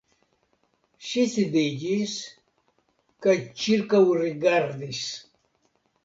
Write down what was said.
Ŝi sidiĝis kaj ĉirkaŭrigardis.